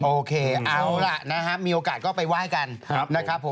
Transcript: โอเคเอาล่ะนะครับมีโอกาสก็ไปไหว้กันนะครับผม